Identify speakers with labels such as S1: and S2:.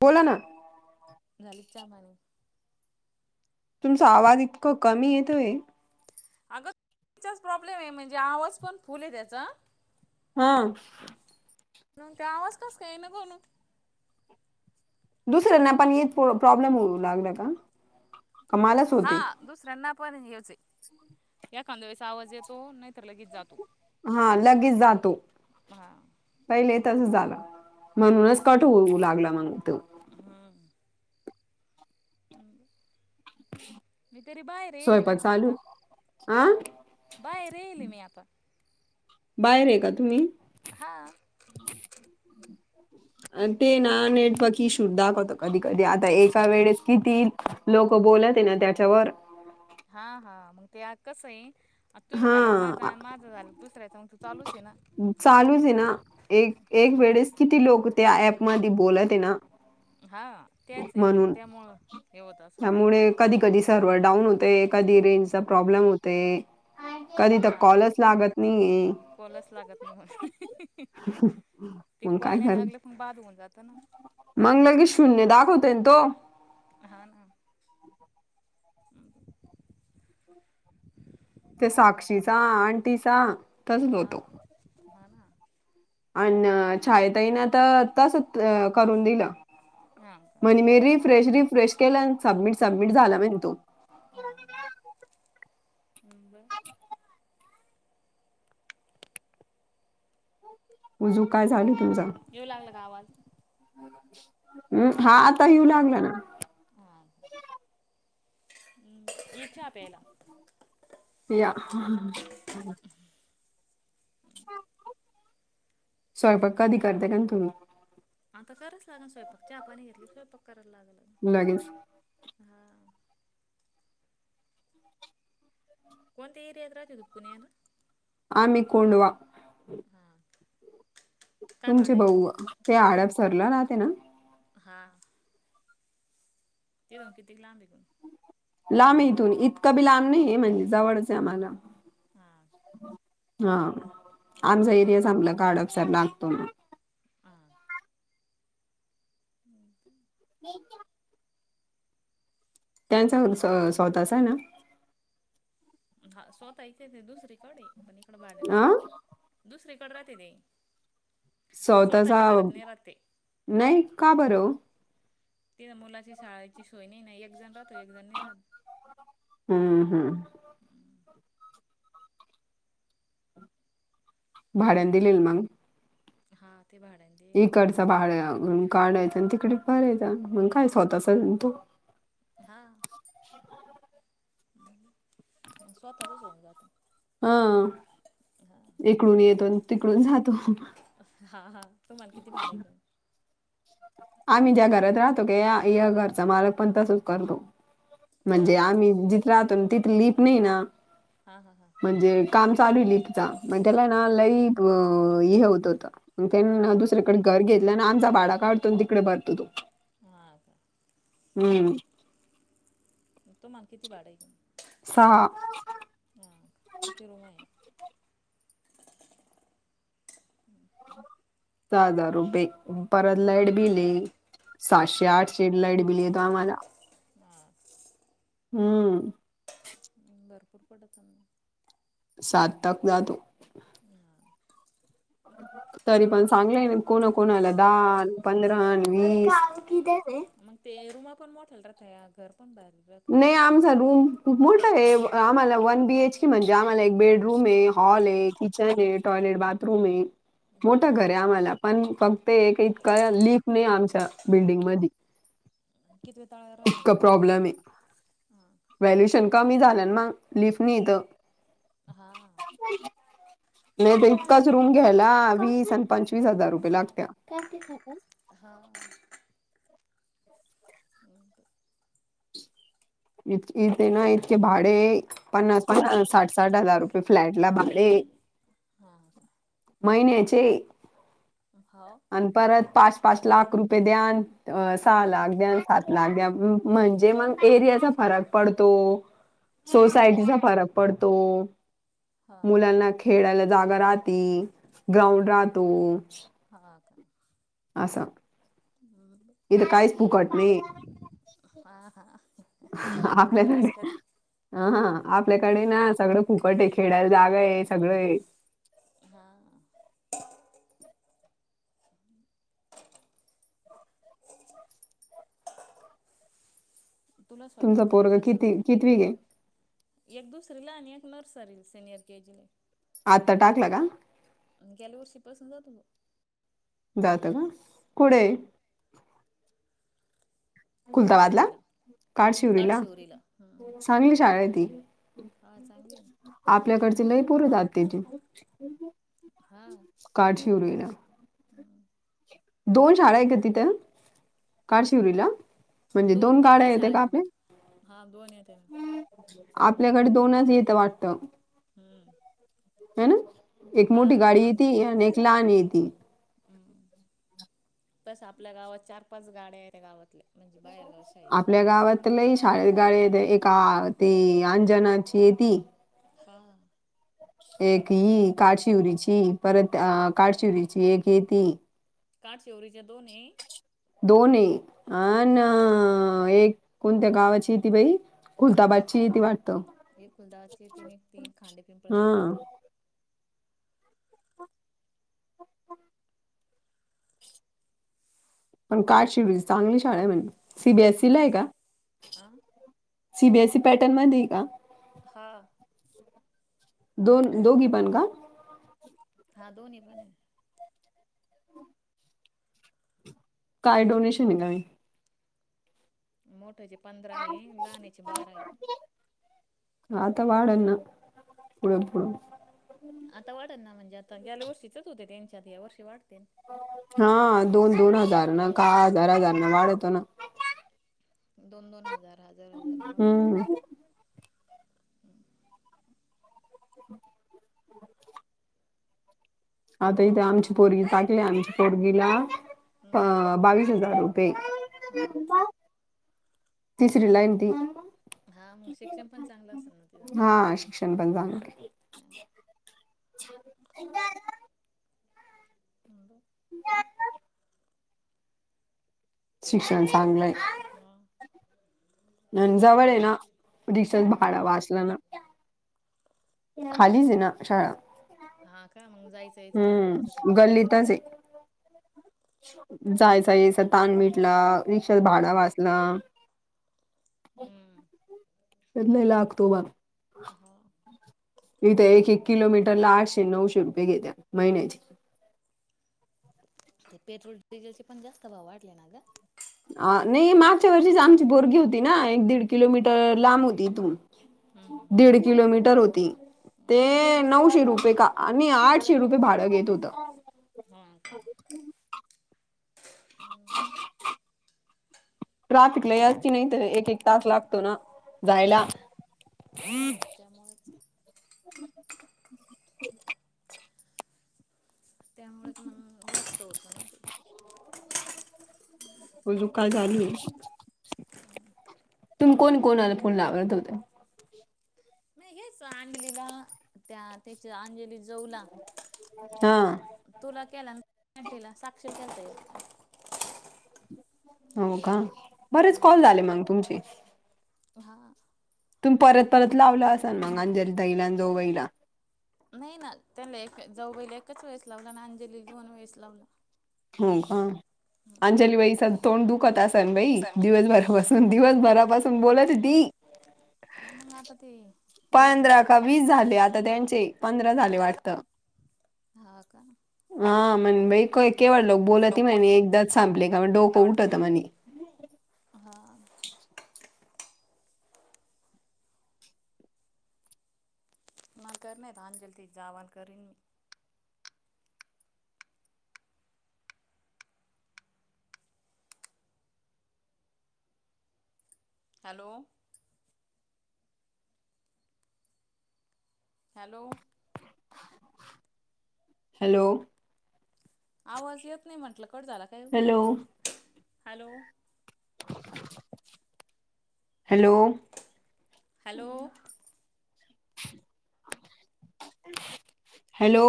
S1: बोला ना
S2: झालं का चहा पाणी?
S1: तुमचा, आवाज इतक कमी येतो आहे.
S2: अगं, प्रॉब्लेम [inaudible] आहे. म्हणजे? आवाज पण फुल आहे. त्याचा
S1: हा...
S2: न त्या. आवाज कस काय ना. कोण
S1: दुसऱ्यांना पण य प्रॉब्लेम होऊ लागला का? क मालच होते.
S2: हा दुसऱ्यांना पण ह्योचं हे. एखांद्यावेळेस आवाज ये तो नाही तर, लगेच जातो
S1: हा लगेच जातो
S2: हां.
S1: पहिले तसच झालं, म्हणूनच कट होऊ लागला. मंग तो
S2: हा.... मी, तेरी बाय रेल
S1: स्वयंपाक
S2: वर [inaudible] का
S1: चालू
S2: आता
S1: आ
S2: बाहेर गेली मी आता.
S1: बाहेर आहे का? तम्ही
S2: हा...
S1: ते ना नेटवकि शुरधाख होत. कधी, कधी, आता एका वेळेस किती लोक बोलत ना. त्याच्यावर
S2: हा... हा... मग ते आ कस आहे. तुझं झालंला
S1: हा
S2: माझा. माझ झाला. दुसऱरायचं मग तू चालूच आहे ना
S1: चालूच आहे ना. एक एक वेळेस किती लोक त्या ऍप मध्ये बोलत आहे ना.
S2: हां.. तेच आहे. नग
S1: म्हणून
S2: त्यामुळं हे होत असेल. ते
S1: कधी, कधी, सर्व्हर डाऊन होते. कधी रेंजचा प्रॉब्लेम होते. कधी, तर
S2: हा
S1: कॉलच लागत नाहीय.
S2: कॉलच लागत नाही. म्हणून, ते
S1: मग काय
S2: कॉल नाही लागले पण बाद होऊन जातं ना.
S1: मगला की शून्य दाखवते ना. तो
S2: हा... ना आ.....
S1: ते साक्षीचा आणंटीचा तसल होतो.
S2: ह.... ना
S1: अ.. छाय, ताईना तर तसच करून दिलं.
S2: हा का
S1: म्हणे, मी रिफ्रेश, रिफ्रेश, केला. सबमिट, सबमिट झाला म्हणे तो.
S2: ह मुब [inaudible]
S1: उजू काय झालं. तुमझ
S2: येऊ लागलं का आवाज
S1: हम्म... हा आता येऊ लागला ना.
S2: हां... रे चहा प्यायला.
S1: या.. या... स्वयंपाक कधी करता का तुम्ही
S2: आता कररात लाग. [inaudible] स्वयंपाक चा आपनी घेतली स्वयंपाक कररात लागलं.
S1: लगेच...
S2: हा... कोणते एरिया अ [inaudible] राचुप पुणेन
S1: आमिकडवा
S2: हा... काय
S1: तुमचे
S2: भाडं आहे कोण
S1: भाऊ
S2: तिथं
S1: ते हडपसरला राहते ना
S2: हा... ते कितीक लांब तघून.
S1: लांब आहे. इथून इतकं बी लांब नाही आहे, म्हणजे? जवळच आहे आम्हाला.
S2: हा,
S1: हा, आमचा एरियाचां आपला काडपसार लागतो.
S2: हा, हा का,
S1: ए क्या, त्यांचा हुंन स स्वतःच आहे ना.
S2: हा, स्वतः इथेच दुसरीकडे पण इकडं भाड्यानेच
S1: अ
S2: राहते. दुसरीेकडे राहते नाही
S1: स्वतःचा
S2: स्वतःच्या घरात नाही राहते.
S1: नाही का बरं वो.
S2: ति मुलाची शाळेची सोय नाही नाही एक जण राहत एक जण नाही राहत.
S1: हम्म हम्म,
S2: हम्,
S1: भाड्या दिलेल मग.
S2: हा, ते भाड्याने. देईल
S1: इकडच बाड काढायच आणि तिकडे करायचं मग काय स्वतःच तू.
S2: हा, स्वतःचच होऊन जातो.
S1: हा, इकडून येतो तिकडून जातो.
S2: हा हा, तूम्हाला किती भाडा आहे.
S1: आम्ही ज्या घरात राहतो क या घरचा मालक पण तसच करतो. म्हणजे
S2: हा का
S1: आम्ही जिथ राहतो तिथ लिप नाही ना.
S2: हा हा हा,
S1: म्हणजे काम चालू आहे लि तिचा. मग त्याला ना
S2: हां
S1: लई हे होत होतं त्या
S2: हां
S1: दुसरे. तिकडे घर घेतलं आणि आमचा भाडा काढतो तिकडे भरतो तो.
S2: हा का,
S1: हम्म,
S2: तुम्हाला किती भाडं हाय इथं.
S1: सहा.
S2: ''हां'' किती रुम आहे. ह [inaudible]
S1: सहा हजार रुपये परत
S2: हां
S1: लाईट बिले साहशे आठशे. लाईट बिल येतो आम्हाला.
S2: हा का,
S1: हम्म,
S2: भरपूर पडत ना.
S1: सात तक ना तो.
S2: हा, [inaudible]
S1: तरी पण चांगलंय कोणा कोणा आला दहाान पंधरा वीस.
S2: मग ते रूमा पण मोठाल रा त्या घर पण भारी.
S1: नाही आमचा रूम खूप मोठा आहे. आम्हाला वन बीएच के म्हणजे आम्हाला एक बेडरूम आहे. हॉल आहे किचन आहे टॉयलेट बाथरूम आहे
S2: हा
S1: मोठं घर
S2: का
S1: आहे आम्हाला. पण फक्त एक इतका लिफ नाही आमच्या बिल्डिंग मधी.
S2: किवे ताळा्यावर राहते बोलली ''हां''
S1: व्हॅल्युशन कमी झालं मग लिफ नाही इथं.
S2: हा
S1: का [inaudible] नाही तर एकाच रूम घ्यायला वीस आणि पंचवीस हजार रुपये लागत्या.
S2: हा हो का?
S1: इ इथे ना इतके भाडे पन्नास पन साठ साठ हजार रुपये फ्लॅट ला भाडे
S2: हा हा का?
S1: महिन्याचे
S2: हाव.
S1: आणि परत पाच पाच लाख रुपये द्यान
S2: हो
S1: सहा लाख
S2: हा
S1: द्यान पाच लाख द्या म्हणजे मग एरियाचा फरक पडतो
S2: हा
S1: सोसायटीचा फरक पडतो
S2: हा
S1: मुलांना खेळायला जागा राहती ग्राउंड राहतो
S2: हा
S1: आसा नाही
S2: हा हा. फुकट
S1: आपल्याकडे
S2: कस कधी
S1: ह हा आपल्याकडे ना सगळं फुकट आहे खेळायला जागा आहे सगळं आहे.
S2: हा. तुला
S1: तुमचा
S2: स्वयंपाक
S1: पोरग
S2: करायचा असणार?
S1: किती कितवीक आहे
S2: एक दुसरीला आणि एक नर्सरी सिनियर के जी ला
S1: आत्ता टाकला का?
S2: आणि गेल्या वर्षीपासून जातो तो.
S1: जातो का कुठे?
S2: हम्म
S1: खुलताबादला
S2: काठशिवरीला
S1: काडशिवरीला
S2: काठशिवरीला
S1: चांगली शाळा
S2: हा चांगली आहे ना.
S1: आपल्याकडचे लय पोरं जात्याती
S2: हा.
S1: काठशिवरीला.
S2: हम्म. [inaudible]
S1: दोन शाळा आहे का तिथं काठशिवरीला?
S2: दोन तीन आहे शाळा हा दोन ये त्या ना
S1: आपल्याकडे दोनच येतं वाटतं.
S2: हम्म.
S1: हे ना एक
S2: हा
S1: मोठी
S2: हा
S1: गाडी
S2: आप-
S1: येती आणि एक लहान येती.
S2: हम्म तसं आपल्या गावात चार पाच गाड्या आहेत त्या गावातल्या. म्हणजे बाहेरगाव शाळेच्या
S1: आपल्या गावात त लय शाळे गाडे येतंय एका ती अंजणाचीय ती
S2: हा.
S1: एक ही काठशिवरीची परत अ काठशिवरीची एक येती.
S2: काठशिवरीच्या दोन आहे.
S1: दोन आहे हा ना एक कोणत्या गावाची येती बाई खुलताबादची ती वाट त
S2: एक कुलदाची तीन एक ती खांडे
S1: हा
S2: पिंपळगावची ती [unintelligible]
S1: पण काठशिवरीची चांगली शाळा आहे म्हणे सीबीएससी ला
S2: हा
S1: आहे का?
S2: आ
S1: सीबीएससी पॅटर्नमध्ये नाही का
S2: हा
S1: दोन दोघी पण का
S2: हा दोन्ही पण आहे
S1: काय डोनेशन आहे नवीन
S2: मोठ्याचे पंधरा आहे लहान्याचे बारा आहे
S1: आता वाढलं ना पुढं, पुढं
S2: आता वाढलं ना म्हणजे आता गेल्या वर्षीचेच होते त्यांच्यात या वर्षी वाढतेन
S1: हा दोन, दोन हजार ना का हजार, हजारन वाढत ना
S2: दोन, दोन हजार, हजार, हजार वाढतं
S1: हम्म. आता इथे आमची पोरगी टाकली आमच्या पोरगीला
S2: हम्म.
S1: आ बावीस हजार रु तेे
S2: हा हा
S1: तिसरीला आहे ना ती
S2: हा मग शिक्षण पण चांगलं असेल ना तिझ
S1: हा शिक क्षण पण चांगलय
S2: हा [unintelligible]
S1: शिक्षण चांगलंय
S2: हा
S1: पण जवळ आहे ना रिक्षाच भाड
S2: हा
S1: वाचल ना खालीच आहे ना शाळा
S2: हा का मग जायचं यायचं भाडं वाचत ना.
S1: हम्म गल्लीतच हे जायचा याचा ताण मिटला रिक्षाच
S2: हा
S1: भाड वाचल
S2: हम्म
S1: [unintelligible]
S2: ह
S1: इथे एक, एक किलोमीटर ला आठशे, नऊशे रुपये घेत्या महिन्याचे
S2: ते पेट्रोल डिझेलचे पण जास्त भाव वाटले ना ग
S1: हा नाही मागच्या वर्षीच आमची पोरगी होती ना एक दीड किलोमीटर लांब होती इथून
S2: हम्म
S1: दीड किलोमीटर होती ते
S2: हम्म.
S1: नऊशे रुपये का आणि आठशे रुपये भाड घेत होत
S2: ह [unintelligible]
S1: ट्राफिक लय असती न तर एक, एक तास लागतो ना जायला
S2: हा त्यामुळेच त्यामुळेच मग जास्त होत ना [unintelligible]
S1: अजून काय चालू आहे तुम्ही कोणी कोणाला फोन लावत होते
S2: नाही हेच अंजलीला त्या तिच्या अंजलीच्या जाऊला
S1: ह
S2: तुला केला तिला साक्षी ला केलता एक
S1: हो का बरेच कॉल
S2: हम्म.
S1: झाले मग तुमचे
S2: हा.
S1: तुम्ही परत- परत लावला असाल मग. अंजलीताईला न जावबाईला.
S2: नाही ना. त्याला एक जावबाईला एकाच वेळेस लावला. आणि अंजलीला दोन वेळेस लावला.
S1: हो, का? अंजलीबाईचा तोंड दुखत असेन बाई, दिवसभर. असन. दिवसभरापासून बोलती ती.
S2: हा मग, आता ते एक
S1: पंधरा
S2: झालं की
S1: का वीस झाले आता त्यांचे? पंधरा झाले वाटतं.
S2: हा, का?
S1: हा म्हणे बाई काई, केवळ लोक बोलती
S2: बोल
S1: म्हणे. एकदाच संपले का, डोकं उठत म्हणे.
S2: हा. मले कर नाहीत अंजलीताई. जावान करीन मी. हॅलो. हॅलो.
S1: हॅलो.
S2: आवाज येत नाही म्हंटल. कट झाला काय?
S1: Hello
S2: hello.
S1: Hello.
S2: Hello
S1: hello.